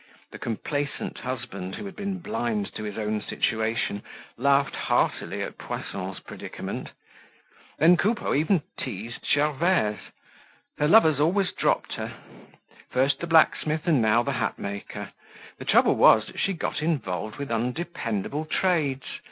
The complacent husband who had been blind to his own situation laughed heartily at Poisson's predicament. Then Coupeau even teased Gervaise. Her lovers always dropped her. First the blacksmith and now the hatmaker. The trouble was that she got involved with undependable trades.